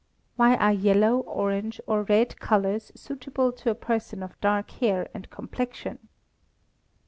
_Why are yellow, orange, or red colours suitable to a person of dark hair and complexion?